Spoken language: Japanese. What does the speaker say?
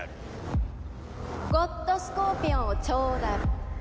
ゴッドスコーピオンをちょうだい。